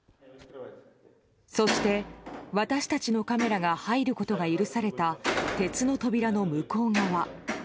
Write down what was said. そして、私たちのカメラが入ることが許された鉄の扉の向こう側。